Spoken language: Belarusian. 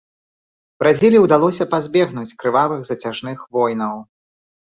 Бразіліі ўдалося пазбегнуць крывавых зацяжных войнаў.